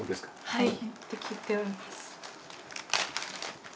はい。